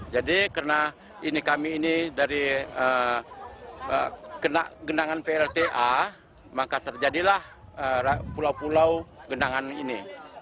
jadi karena ini kami ini dari genangan plta maka terjadilah pulau pulau genangan ini